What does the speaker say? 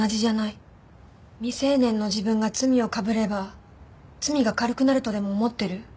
未成年の自分が罪をかぶれば罪が軽くなるとでも思ってる？